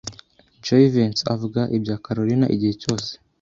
Jivency avuga ibya Kalorina igihe cyose.